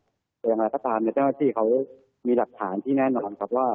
แต่อย่างไรก็ตามเจ้าหน้าที่เขามีหลักฐานที่แน่นอนครับว่า